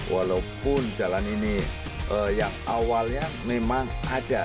walaupun jalan ini yang awalnya memang ada